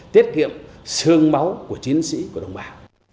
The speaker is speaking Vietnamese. tiết kiệm sương máu của chiến sĩ của đồng bào